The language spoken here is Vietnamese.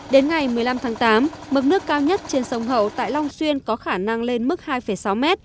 đến ngày một mươi năm tháng tám mực nước cao nhất trên sông hậu tại long xuyên có khả năng lên mức hai sáu m